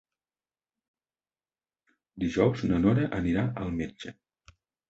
Dijous na Nora anirà al metge.